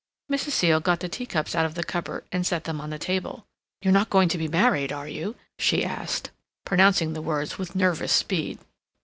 Mrs. Seal got the teacups out of the cupboard and set them on the table. "You're not going to be married, are you?" she asked, pronouncing the words with nervous speed.